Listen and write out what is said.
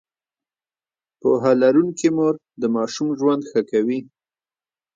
پوهه لرونکې مور د ماشوم ژوند ښه کوي.